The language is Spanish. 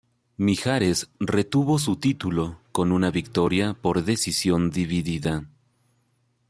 Mijares retuvo su título con una victoria por decisión dividida.